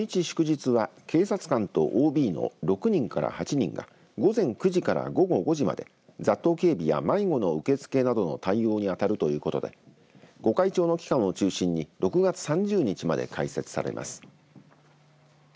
祝日は警察官とＯＢの６人から８人が午前９時から午後５時まで雑踏警備や迷子の受け付けなどの対応に当たるということで御開帳の期間を中心に６月３０日まで開設されます。